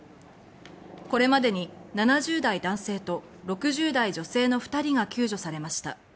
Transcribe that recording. これまでに７０代男性と６０代女性の２人が救助されました。